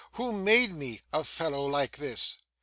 Who made me "a fellow like this"?